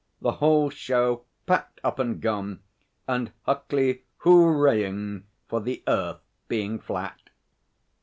The whole show packed up and gone, and Huckley hoo raying for the earth being flat.'